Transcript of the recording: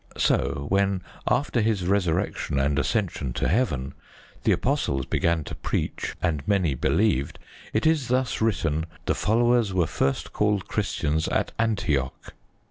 So when, after His resurrection and ascension to heaven, the Apostles began to preach and many believed, it is thus written, "The followers were first called Christians at Antioch."